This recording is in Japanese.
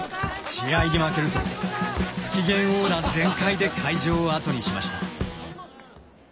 試合に負けると不機嫌オーラ全開で会場を後にしました。